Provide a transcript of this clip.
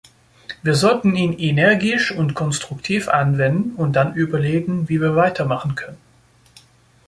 Wir sollten ihn energisch und konstruktiv anwenden und dann überlegen, wie wir weitermachen können.